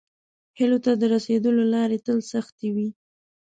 هیلو ته د راسیدلو لارې تل سختې وي.